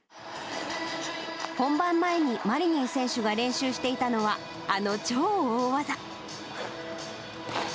本番前にマリニン選手が練習していたのは、あの超大技。